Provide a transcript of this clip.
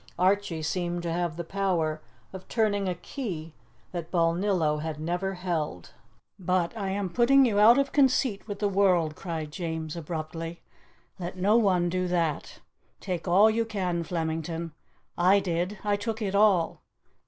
Archie seemed to have the power of turning a key that Balnillo had never held. "But I am putting you out of conceit with the world," cried James abruptly; "let no one do that. Take all you can, Flemington! I did I took it all.